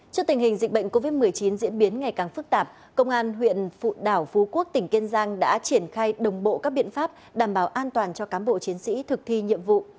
trước tình hình dịch bệnh covid một mươi chín diễn biến ngày càng phức tạp công an huyện phụ đảo phú quốc tỉnh kiên giang đã triển khai đồng bộ các biện pháp đảm bảo an toàn cho cám bộ chiến sĩ thực thi nhiệm vụ